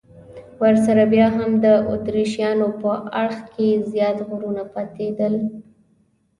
ورسره بیا هم د اتریشیانو په اړخ کې زیات غرونه پاتېدل.